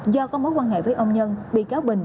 do có mối quan hệ với ông nhân bị cáo bình